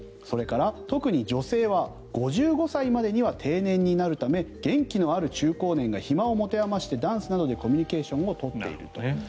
それから特に女性は５５歳までには定年になるため元気のある中高年が暇を持て余して、ダンスなどでコミュニケーションを取っていると。